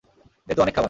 এ তো অনেক খাবার।